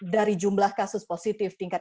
dari jumlah kasus positif tingkat